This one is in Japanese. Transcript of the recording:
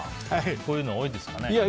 こういうの多いですか。